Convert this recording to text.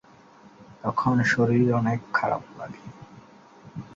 তখন শরীর অনেক খারাপ লাগে।